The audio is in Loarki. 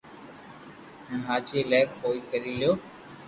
ھين ھاچي لي ڪوئي ڪري ليو